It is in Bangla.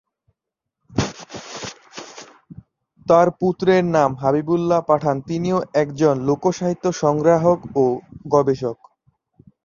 তার পুত্রের নাম হাবিবুল্লাহ পাঠান, তিনিও একজন লোকসাহিত্য সংগ্রাহক ও গবেষক।